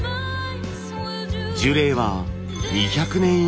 樹齢は２００年以上。